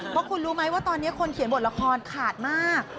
เพราะคุณรู้ไหมว่าตอนนี้คนเขียนบทละครขาดมาก